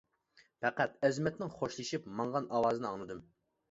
پەقەت ئەزىمەتنىڭ خوشلىشىپ ماڭغان ئاۋازىنى ئاڭلىدىم.